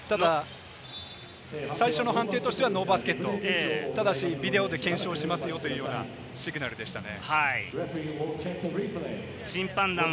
最初の判定としてはバスケットただし、ビデオで検証しますよというようなシグナルでしたね。